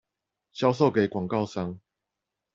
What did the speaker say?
銷售給廣告商